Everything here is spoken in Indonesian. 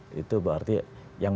tewas itu berarti yang